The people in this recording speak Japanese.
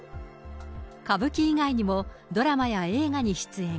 歌舞伎以外にも、ドラマや映画に出演。